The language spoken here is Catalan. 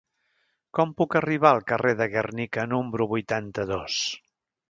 Com puc arribar al carrer de Gernika número vuitanta-dos?